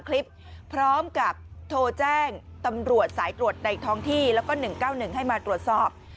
คลิปพร้อมกับโทรแจ้งตำรวจสายตรวจในท้องที่แล้วก็๑๙๑ให้มาตรวจสอบ